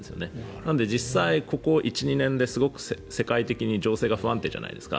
なので実際、ここ１２年すごく世界的に情勢が不安定じゃないですか。